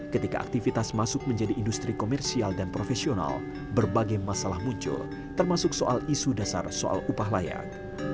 ketika aktivitas masuk menjadi industri komersial dan profesional berbagai masalah muncul termasuk soal isu dasar soal upah layak